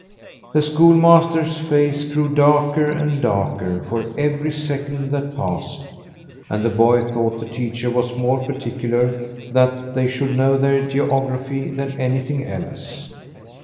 The schoolmaster's face grew darker and darker for every second that passed, and the boy thought the teacher was more particular that they should know their geography, than anything else.